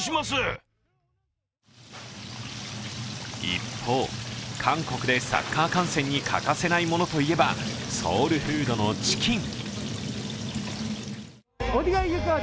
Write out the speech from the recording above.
一方、韓国でサッカー観戦に欠かせないものといえばソウルフードのチキン。